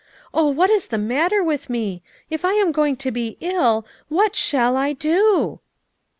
Oh, what is the matter with me? If I am going to be ill, what shall I do!"